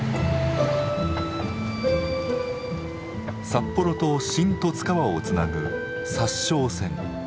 札幌と新十津川をつなぐ札沼線。